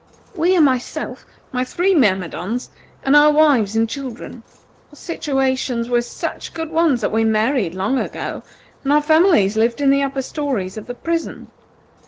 "We are myself, my three myrmidons, and our wives and children. Our situations were such good ones that we married long ago, and our families lived in the upper stories of the prison.